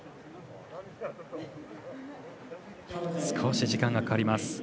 少し時間がかかります。